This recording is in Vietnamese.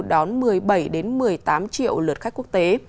đón một mươi bảy một mươi tám triệu lượt khách quốc tế